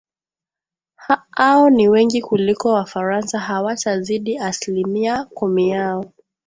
ao ni wengi kuliko wafaransa hawatazidi aslimia kumi yao